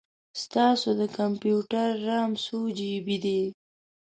ستاسو د کمپیوټر رم څو جې بې دی؟